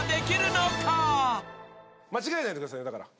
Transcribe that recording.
間違えないでくださいよだから。